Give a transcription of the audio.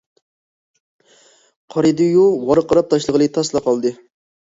قارىدى- يۇ، ۋارقىراپ تاشلىغىلى تاسلا قالدى.